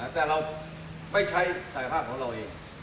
แต่เราไม่ใช้ศักยภาพของเราเอง